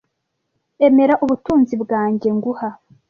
emera ubutunzi bwanjye nguha